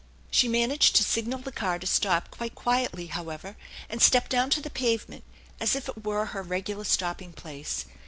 She managed to signal the car to stop quite quietly, how ever, and stepped down to the pavement as if it were her regular stopping place.